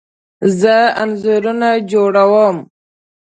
زه انځورونه جوړه وم